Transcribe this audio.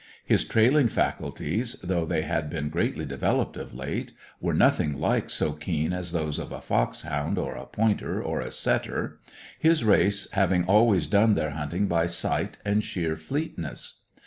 His trailing faculties, though they had been greatly developed of late, were nothing like so keen as those of a foxhound, or a pointer, or a setter; his race having always done their hunting by sight and sheer fleetness.